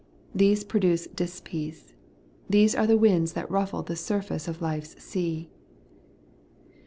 These produce dispeace ; these are the winds that ruffle the surface of life's sea.